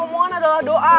omongan adalah doa